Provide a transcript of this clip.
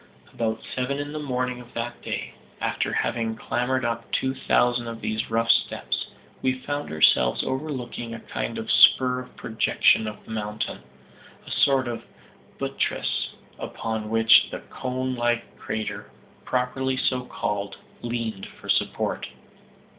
About seven in the evening of that day, after having clambered up two thousand of these rough steps, we found ourselves overlooking a kind of spur or projection of the mountain a sort of buttress upon which the conelike crater, properly so called, leaned for support.